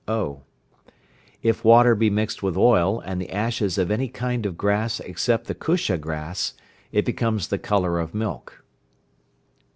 (o). If water be mixed with oil and the ashes of any kind of grass except the kusha grass, it becomes the colour of milk.